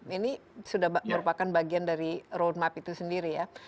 ini sudah merupakan bagian dari roadmap itu sendiri ya